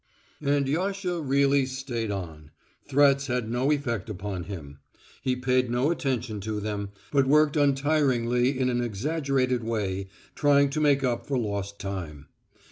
And Yasha really stayed on. Threats had no effect upon him. He paid no attention to them, but worked untiringly in an exaggerated way, trying to make up for lost time.